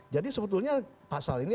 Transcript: jadi sebetulnya pasal ini